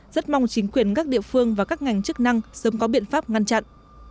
rất mong chính quyền các địa phương và các ngành chức năng sớm có biện pháp ngăn chặn